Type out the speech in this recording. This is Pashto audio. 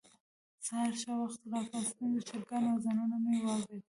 سهار ښه وختي راپاڅېدم، د چرګانو اذانونه مې واورېدل.